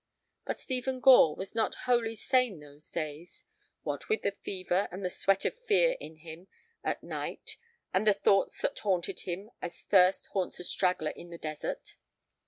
But Stephen Gore was not wholly sane those days, what with the fever, and the sweat of fear in him at night, and the thoughts that haunted him as thirst haunts a straggler in the desert.